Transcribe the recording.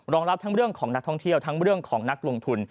รองรับทั้งเรื่องของนักท่องเที่ยวทั้งเรื่องของนักลงทุน